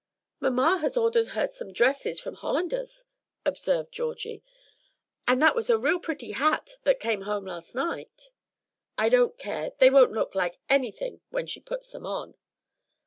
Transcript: "Mamma has ordered her some dresses from Hollander's," observed Georgie; "and that was a real pretty hat that came home last night." "I don't care. They won't look like anything when she puts them on."